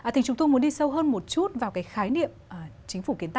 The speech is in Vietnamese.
thì chúng tôi muốn đi sâu hơn một chút vào cái khái niệm chính phủ kiến tạo